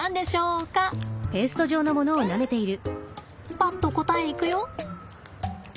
パッと答えいくよ！